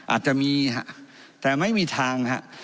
อาจจะมีแต่ไม่มีทางครับ